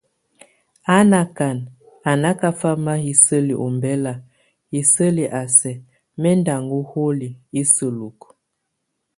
A nákan a nákafama hiseli ombɛla, hiseli a sɛk mɛ́ ndʼ aŋo holi, isejuk.